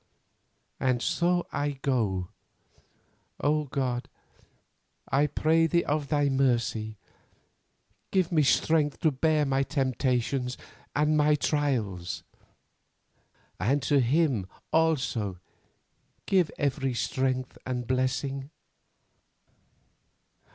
"And so I go. O God, I pray Thee of Thy mercy, give me strength to bear my temptations and my trials; and to him, also, give every strength and blessing.